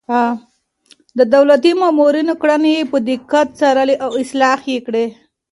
د دولتي مامورينو کړنې يې په دقت څارلې او اصلاح يې کړې.